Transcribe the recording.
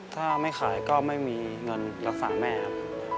ถ้าไม่ขายก็ไม่มีเงินรักษาแม่ครับ